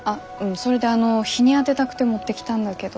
それであの日に当てたくて持ってきたんだけど。